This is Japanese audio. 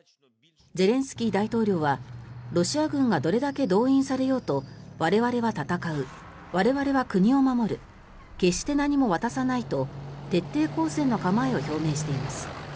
ゼレンスキー大統領はロシア軍がどれだけ動員されようと我々は戦う我々は国を守る決して何も渡さないと徹底抗戦の構えを表明しています。